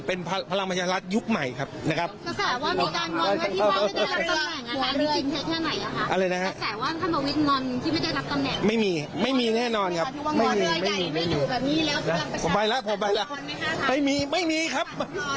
เป็นพลังประชารัฐยุคใหม่ครับนะครับ